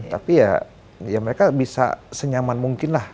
tapi ya mereka bisa senyaman mungkin lah